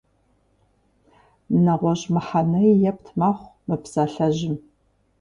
НэгъуэщӀ мыхьэнэи епт мэхъу мы псалъэжьым.